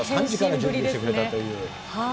３時から準備してくれたという。